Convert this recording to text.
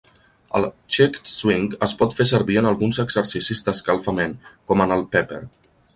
El "checked swing" es pot fer servir en alguns exercicis d'escalfament, com en el "pepper".